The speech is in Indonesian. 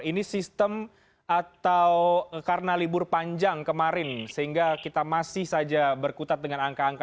ini sistem atau karena libur panjang kemarin sehingga kita masih saja berkutat dengan angka angka